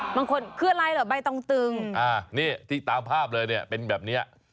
บางคนเพื่ออะไรเหรอใบตองตึงนี่ตามภาพเลยเป็นแบบนี้